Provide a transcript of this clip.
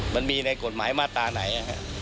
มันมีในกฎหมายมาตราไหน